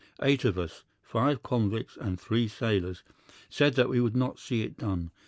Eight of us, five convicts and three sailors, said that we would not see it done.